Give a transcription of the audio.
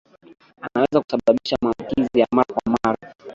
anaweza kusababisha maambukizi ya mara kwa mara